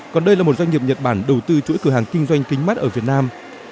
còn đây là một doanh nghiệp nhật bản đầu tư chuỗi cửa hàng kinh doanh kính mắt ở việt nam